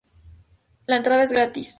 La entrada es gratis.